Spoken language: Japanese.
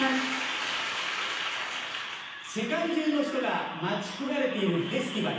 世界中の人が待ち焦がれているフェスティバル